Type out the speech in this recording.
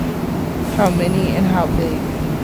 How many, and how big?